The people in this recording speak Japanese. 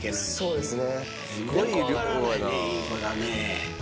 そうです